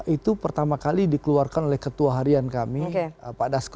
itu pertama kali dikeluarkan oleh ketua harian kami pak dasko